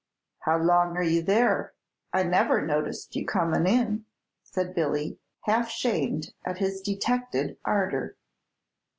"How long are you there? I never noticed you comin' in," said Billy, half shamed at his detected ardor.